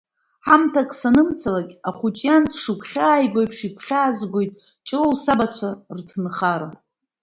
Ҳамҭак санымцалак, ахәыҷы иан дшыгәхьааиго еиԥш, игәхьаазгоит Ҷлоу сабацәа рҭынхара.